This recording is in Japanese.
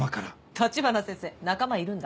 橘先生仲間いるんだ。